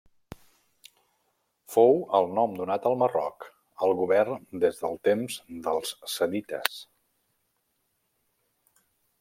Fou el nom donat al Marroc al govern des del temps dels sadites.